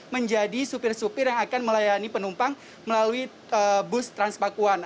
menjadi supir supir yang akan melayani penumpang melalui bus transpakuan